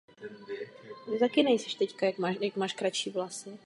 Následně se region stal součástí Nové Francie.